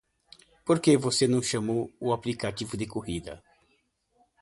Por que você não chamou o aplicativo de corrida?